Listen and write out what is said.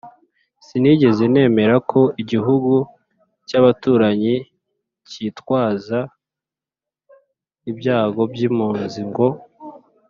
sinigeze nemera ko igihugu cy'abaturanyi cyitwaza ibyago by'impunzi ngo